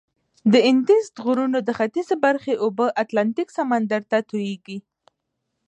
د اندیزد غرونو د ختیځي برخې اوبه اتلانتیک سمندر ته تویږي.